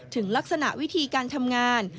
ถึงลักษณะวิธีการทำงาน